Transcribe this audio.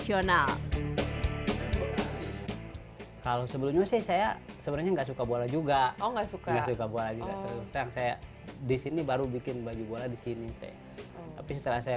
juga oh nggak suka gua juga serang saya di sini baru bikin baju bola di sini saya tapi setelah saya